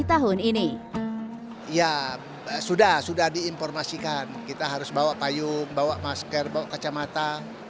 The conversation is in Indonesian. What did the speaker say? tahun ini ya sudah sudah diinformasikan kita harus bawa payung bawa masker bawa kacamata